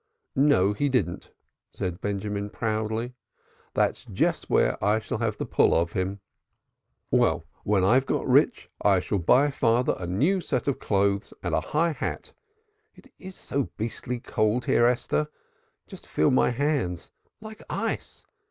"No, he didn't," said Benjamin proudly. "That's just where I shall have the pull of him. Well, when I've got rich I shall buy father a new suit of clothes and a high hat it is so beastly cold here, Esther, just feel my hands, like ice!